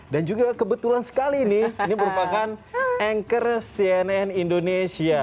dan juga kebetulan sekali ini ini merupakan anchor cnn indonesia